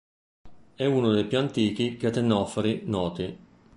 È uno dei più antichi ctenofori noti.